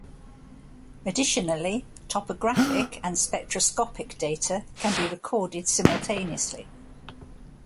Additionally, topographic and spectroscopic data can be recorded simultaneously.